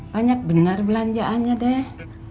banyak benar belanjaannya deh